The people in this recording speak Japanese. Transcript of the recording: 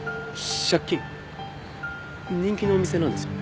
人気のお店なんですよね？